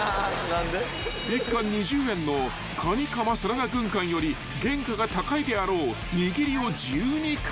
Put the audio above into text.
［１貫２０円のカニカマサラダ軍艦より原価が高いであろう握りを１２貫］